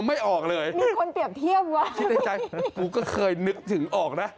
ไม่ออกเลยมีคนเปรียบเทียบว่ะคิดในใจกูก็เคยนึกถึงออกนะ